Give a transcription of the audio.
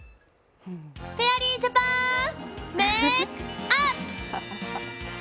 フェアリージャパン、メークアップ！